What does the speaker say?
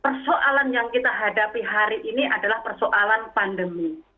persoalan yang kita hadapi hari ini adalah persoalan pandemi